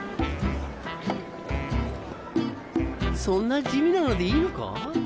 そんな地味なのでいいのか？